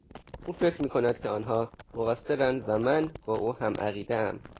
او فکر میکند که آنها مقصرند و من با او همعقیدهام.